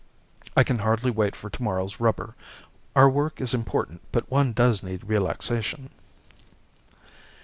I can hardly wait for tomorrow's rubber. Our work is important, but one does need relaxation.